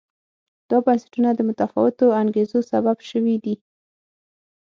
دا بنسټونه د متفاوتو انګېزو سبب شوي دي.